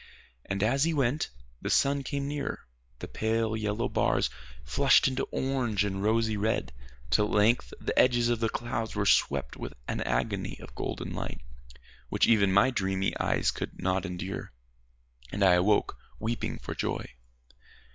And as we went the sun came nearer, the pale yellow bars flushed into orange and rosy red, till at length the edges of the clouds were swept with an agony of golden light, which even my dreamy eyes could not endure, and I awoke weeping for joy.